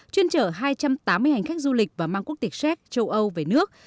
chuyên trở hai trăm tám mươi hành khách du lịch và mang quốc tịch xét châu âu về nước